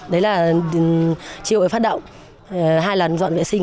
đấy là chiều hội phát động hai lần dọn vệ sinh